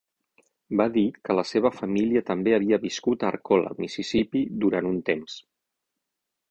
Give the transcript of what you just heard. Va dir que la seva família també havia viscut a Arcola, Mississippi, durant un temps.